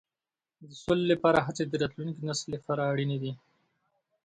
د سولې لپاره هڅې د راتلونکي نسل لپاره اړینې دي.